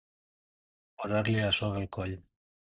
Posar-li la soga al coll.